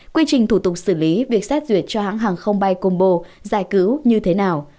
quy trình thủ tục xử lý việc xét duyệt cho hãng hàng không bay combo giải cứu như thế nào